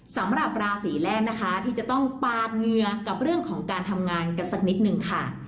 สำหรับราศีแรกนะคะที่จะต้องปาดเหงื่อกับเรื่องของการทำงานกันสักนิดนึงค่ะ